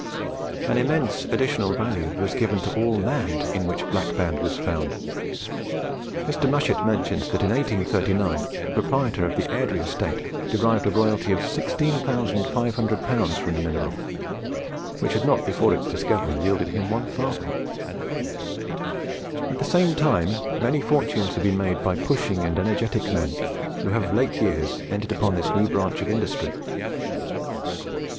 An immense additional value was given to all land in which the Black Band was found. Mr. Mushet mentions that in 1839 the proprietor of the Airdrie estate derived a royalty of 16,500L. from the mineral, which had not before its discovery yielded him one farthing. At the same time, many fortunes have been made by pushing and energetic men who have of late years entered upon this new branch of industry.